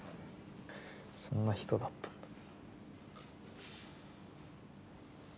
そんな人だったんだ。